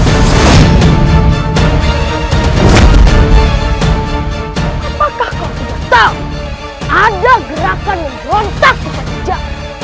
apakah kau tidak tahu ada gerakan yang rontak di padijak